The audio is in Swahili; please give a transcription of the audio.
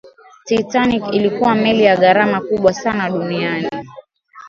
titanic ilikuwa meli ya gharama kubwa sana duniani